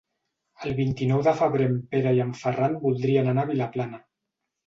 El vint-i-nou de febrer en Pere i en Ferran voldrien anar a Vilaplana.